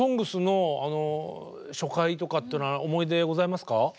「ＳＯＮＧＳ」の初回とかっていうのは思い出ございますか？